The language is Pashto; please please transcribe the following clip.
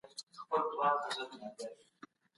د اسلام په قانون کي د هر چا حق دی.